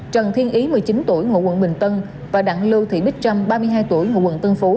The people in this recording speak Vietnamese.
trần thiên ý một mươi chín tuổi ngụ quận bình tân và đặng lưu thị bích trâm ba mươi hai tuổi ngụ quận tân phú